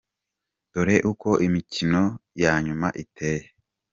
Dore uko imikino ya nyuma iteye:.